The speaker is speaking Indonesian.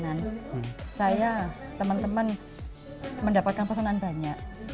dan saya teman teman mendapatkan pesanan banyak